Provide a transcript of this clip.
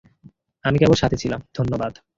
আমি কেবল সাথে ছিলাম, ধন্যবাদ।